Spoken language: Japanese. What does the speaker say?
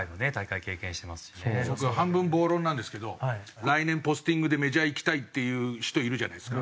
僕半分暴論なんですけど来年ポスティングでメジャー行きたいっていう人いるじゃないですか。